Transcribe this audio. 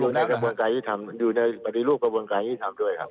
ในกระบวนการยุทธรรมอยู่ในปฏิรูปกระบวนการยุทธิธรรมด้วยครับ